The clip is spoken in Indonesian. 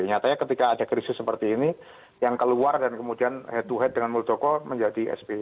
nyatanya ketika ada krisis seperti ini yang keluar dan kemudian head to head dengan muldoko menjadi sbi